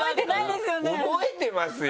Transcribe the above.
覚えてますよ！